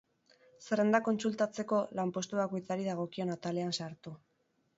Zerrendak kontsultatzeko, lanpostu bakoitzari dagokion atalean sartu.